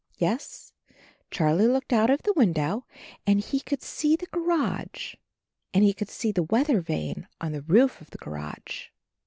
Yes, Charlie looked out of the window, and he could see the garage and he could see the weather vane on the roof of the garage.